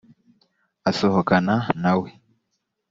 asohokana na we